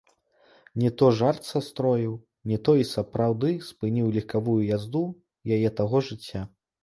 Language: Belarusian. Не то жарт састроіў, не то і сапраўды спыніў легкавую язду яе таго жыцця.